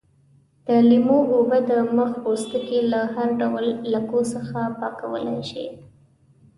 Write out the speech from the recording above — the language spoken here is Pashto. د لیمو اوبه د مخ پوستکی له هر ډول لکو څخه پاکولای شي.